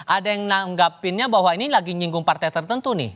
ada yang nanggapinnya bahwa ini lagi nyinggung partai tertentu nih